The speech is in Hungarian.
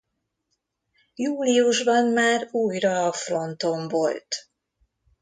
Júliusban már újra a fronton volt.